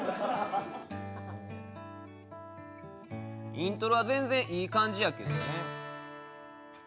イントロは全然いい感じやけどね。